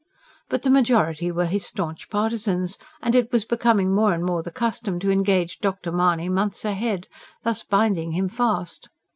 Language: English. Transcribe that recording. But the majority were his staunch partisans; and it was becoming more and more the custom to engage Dr. Mahony months ahead, thus binding him fast.